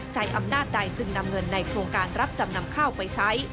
ใช้อำนาจใดจึงนำเงินในโครงการรับจำนำข้าวไปใช้